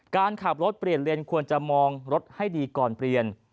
การขับรถเปลี่ยนเลนส์ควรจะมองรถให้ดีก่อนเปลี่ยน